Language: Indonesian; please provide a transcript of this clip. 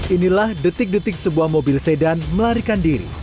inilah detik detik sebuah mobil sedan melarikan diri